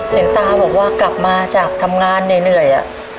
เห็นตาบอกว่ากลับมาจากทำงานเหนื่อย